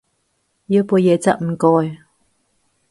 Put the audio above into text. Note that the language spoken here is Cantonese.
要杯椰汁唔該